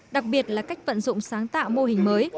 đặc biệt là cách vận dụng sáng tạo mô hình mới